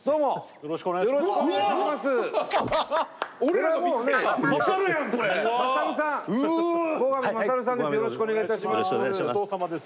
よろしくお願いします。